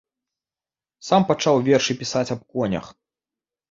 Сам пачаў вершы пісаць аб конях.